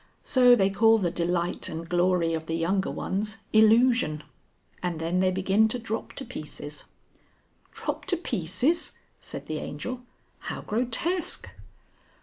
So they call the delight and glory of the younger ones, Illusion. And then they begin to drop to pieces." "Drop to pieces!" said the Angel. "How grotesque!"